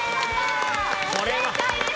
正解です。